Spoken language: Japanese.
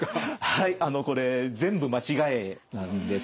はいこれ全部間違いなんですね。